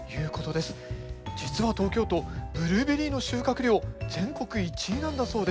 実は東京都ブルーベリーの収穫量全国１位なんだそうです。